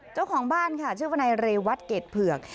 เจ้าของบ้านค่ะชื่อวนายเรวัตเกรดเผือก